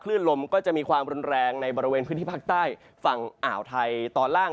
ลมก็จะมีความรุนแรงในบริเวณพื้นที่ภาคใต้ฝั่งอ่าวไทยตอนล่าง